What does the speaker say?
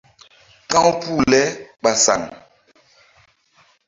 Ka̧w puh le ɓa saŋ.